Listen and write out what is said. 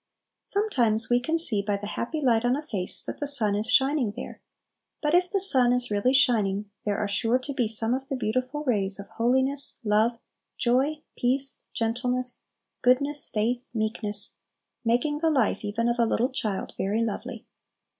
Sometimes we can see by the happy light on a face that the Sun is shining there; but if the Sun is really shining, there are sure to be some of the beautiful rays of holiness, love, joy, peace, gentleness, goodness, faith, meekness, making the life even of a little child very lovely.